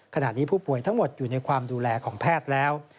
ขณะนี้ผู้ป่วยทั้งหมดอยู่ในความดูแลของแพทย์แล้ว